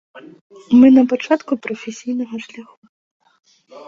Мы на пачатку прафесійнага шляху.